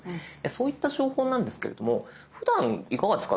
そういった情報なんですけれどもふだんいかがですか？